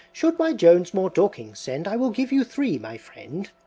Should my Jones more Dorkings send, I will give you three, my friend!